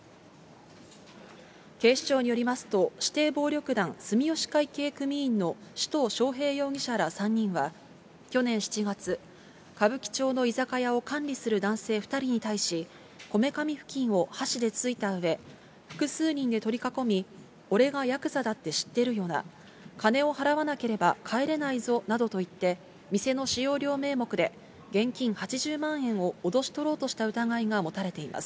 警視庁によりますと、指定暴力団住吉会系組員の首藤翔平容疑者ら３人は、去年７月、歌舞伎町の居酒屋を管理する男性２人に対し、こめかみ付近を箸で突いたうえ、複数人で取り囲み、俺がやくざだって知ってるよな、金を払わなければ帰れないぞなどと言って、店の使用料名目で、現金８０万円を脅し取ろうとした疑いが持たれています。